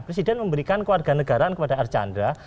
presiden memberikan warga negara kepada arjanda